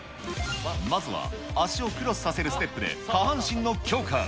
まずは足をクロスさせるステップで下半身の強化。